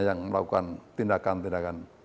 yang melakukan tindakan tindakan